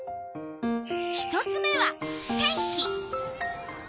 １つ目は天気。